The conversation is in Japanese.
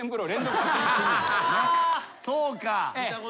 そうか。